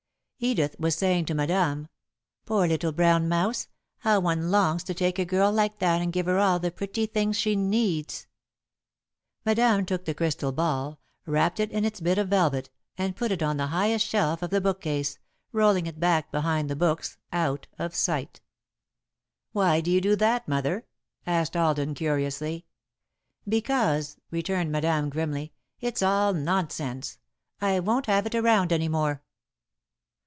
Edith was saying to Madame: "Poor little brown mouse! How one longs to take a girl like that and give her all the pretty things she needs!" [Sidenote: Edith's Desire for Rosemary] Madame took the crystal ball, wrapped it in its bit of velvet, and put it on the highest shelf of the bookcase, rolling it back behind the books, out of sight. "Why do you do that, Mother?" asked Alden, curiously. "Because," returned Madame, grimly, "it's all nonsense. I won't have it around any more."